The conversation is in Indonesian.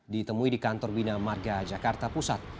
ditemui di kantor bina marga jakarta pusat